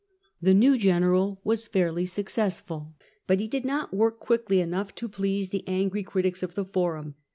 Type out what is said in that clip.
The new general was fairly successful, but he did not work quickly enough to please the angry critics of the forum.